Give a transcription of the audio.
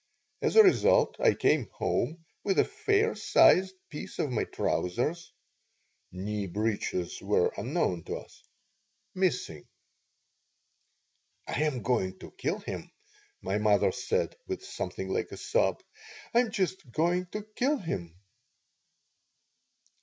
As a result I came home with a fair sized piece of my trousers (knee breeches were unknown to us) missing "I'm going to kill him," my mother said, with something like a sob. "I'm just going to kill him."